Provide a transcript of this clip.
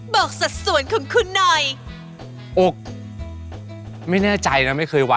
บอกสัดส่วนของคุณหน่อย